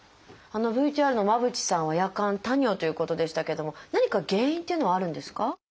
ＶＴＲの間渕さんは夜間多尿ということでしたけども何か原因っていうのはあるんですか？